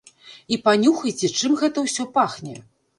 І панюхайце, чым гэта ўсё пахне.